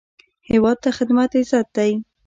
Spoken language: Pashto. هیواد ته خدمت عزت دی